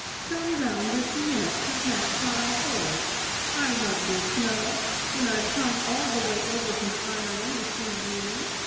"Come down this minute from that high horse! I won't be snubbed, when I've come all the way over from Ireland to see you.